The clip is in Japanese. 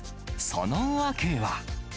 その訳は。